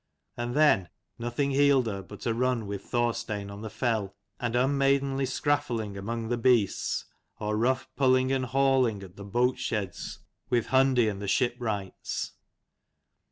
And then nothing healed her but a run with Thorstein on the fell, and unmaidenly scraffling among the beasts, or rough pulling and hauling at the boat sheds with Hundi and w 169 the ship wrights.